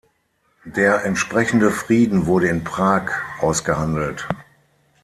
Der entsprechende Frieden wurde in Prag ausgehandelt.